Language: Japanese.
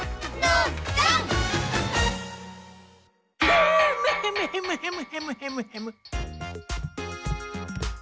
ヘムヘムヘムヘムヘムヘムヘム。